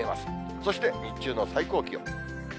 そして、日中の最高気温。